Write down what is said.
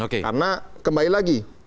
karena kembali lagi